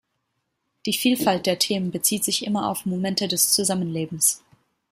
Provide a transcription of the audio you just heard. Die Vielfalt der Themen bezieht sich immer auf Momente des Zusammenlebens.